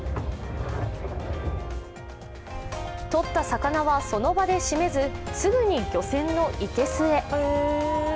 捕った魚はその場で締めず、すぐに漁船のいけすへ。